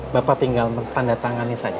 bapak tinggal menandatangani saja